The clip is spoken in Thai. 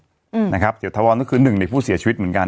อืมนะครับเสียทวรก็คือหนึ่งในผู้เสียชีวิตเหมือนกัน